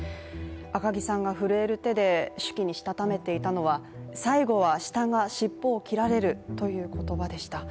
赤木さんが震える手で手記にしたためていたのは最後は下が尻尾を切られるという言葉でした。